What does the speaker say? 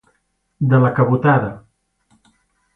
De la cabotada.